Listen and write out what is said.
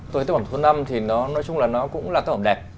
tôi thấy tác phẩm số năm thì nói chung là nó cũng là tác phẩm đẹp